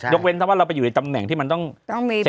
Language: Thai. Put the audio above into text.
ยกเว้นว่าเราอยู่ในตำแหน่งที่มันต้องอเจอะ